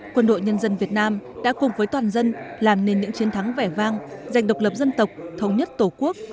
quân đội nhân dân việt nam đã cùng với toàn dân làm nên những chiến thắng vẻ vang giành độc lập dân tộc thống nhất tổ quốc